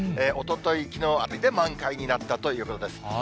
おととい、きのうあたりで満開になったということです。